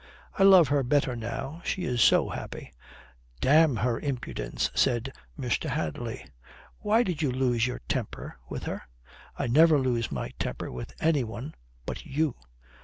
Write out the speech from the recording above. "I love her better now. She is so happy." "Damn her impudence," said Mr. Hadley. "Why did you lose your temper with her?" "I never lose my temper with any one but you."